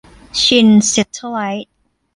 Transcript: ชินแซทเทลไลท์